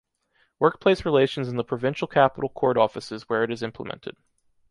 Workplace relations in the provincial capital court offices where it is implemented.